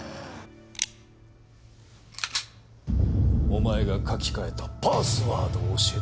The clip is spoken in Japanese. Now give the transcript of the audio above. お前が書き換えたパスワードを教えてもらおうか。